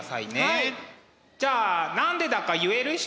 じゃあ何でだか言える人！